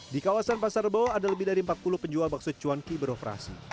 di kawasan pasar rebo ada lebih dari empat puluh penjual bakso cuanki beroperasi